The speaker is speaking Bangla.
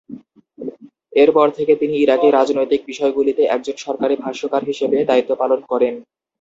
এর পর থেকে তিনি ইরাকি রাজনৈতিক বিষয়গুলিতে একজন সরকারী ভাষ্যকার হিসাবে দায়িত্ব পালন করেন।